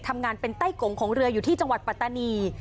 ทำงานเป็นไต้กงของเรืออยู่ที่จังหวัดปัตตานี